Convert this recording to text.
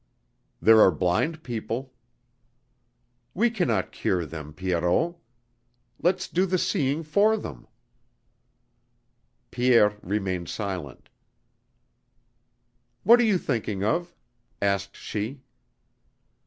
"There are blind people." "We cannot cure them, Pierrot. Let's do the seeing for them!" Pierre remained silent. "What are you thinking of?" asked she.